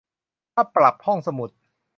ค่าปรับห้องหมุด